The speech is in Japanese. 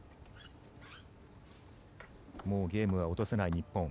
もうゲームは落とせない日本。